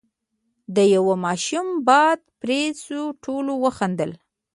، د يوه ماشوم باد پرې شو، ټولو وخندل،